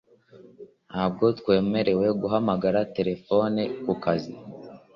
Ntabwo twemerewe guhamagara terefone ku kazi